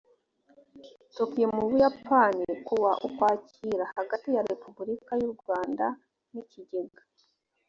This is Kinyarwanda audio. tokyo mu buyapani kuwa ukwakira hagati ya repubulika y u rwanda n ikigega